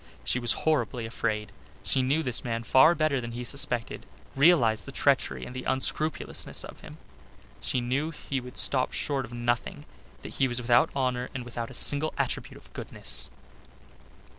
She was horribly afraid. She knew this man far better than he suspected, realized the treachery and the unscrupulousness of him. She knew he would stop short of nothing, that he was without honour and without a single attribute of goodness.